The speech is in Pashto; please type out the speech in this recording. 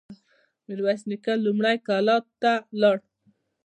ميرويس نيکه لومړی کلات ته لاړ.